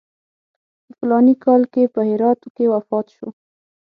په فلاني کال کې په هرات کې وفات شو.